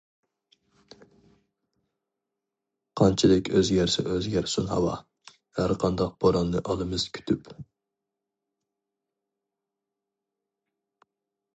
قانچىلىك ئۆزگەرسە ئۆزگەرسۇن ھاۋا، ھەر قانداق بوراننى ئالىمىز كۈتۈپ.